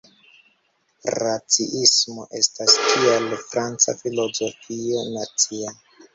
Raciismo estas tial franca filozofio nacia.